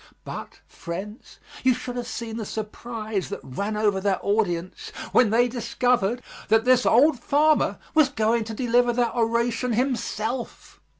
But, friends, you should have seen the surprise that ran over that audience when they discovered that this old farmer was going to deliver that oration himself.